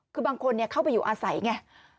คือบางคนเข้าไปอยู่อาศัยไง